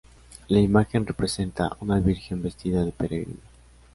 La imagen representa una Virgen vestida de peregrina.